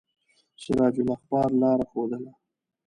سراج الاخبار لاره ښودله.